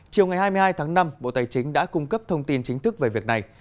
chiều ngày hai mươi hai tháng năm bộ tài chính đã cung cấp thông tin chính thức về việc này